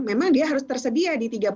memang dia harus tersedia di tiga puluh empat